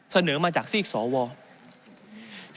เสนอมาจากซีกสอบวอส